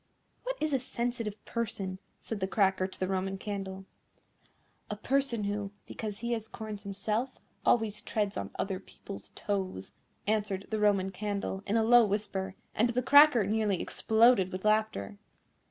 "What is a sensitive person?" said the Cracker to the Roman Candle. "A person who, because he has corns himself, always treads on other people's toes," answered the Roman Candle in a low whisper; and the Cracker nearly exploded with laughter.